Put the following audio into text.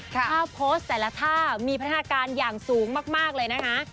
ถ้าโพสต์แต่ละท่ามีพัฒนาการอย่างสูงมากเลยนะคะ